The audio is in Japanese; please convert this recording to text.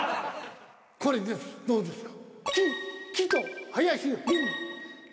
これどうですか？